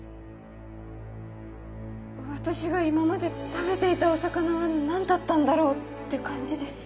私が今まで食べていたお魚は何だったんだろうって感じです。